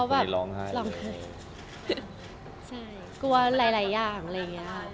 อะไรอย่างอะไรอย่างนี้